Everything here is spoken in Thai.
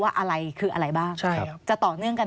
สวัสดีค่ะที่จอมฝันครับ